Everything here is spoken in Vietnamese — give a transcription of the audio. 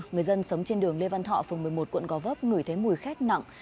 người dân sống trên đường lê văn thọ phường một mươi một quận gò vấp ngửi thấy mùi khét nặng